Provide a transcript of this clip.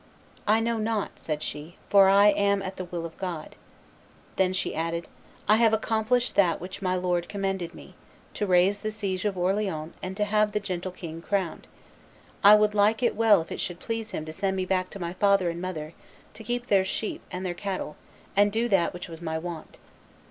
"I know not," said she, "for I am at the will of God." Then she added, "I have accomplished that which my Lord commanded me, to raise the siege of Orleans and have the gentle king crowned. I would like it well if it should please him to send me back to my father and mother, to keep their sheep and their cattle, and do that which was my wont."